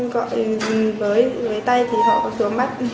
có ra gọi với tay thì họ xuống bắt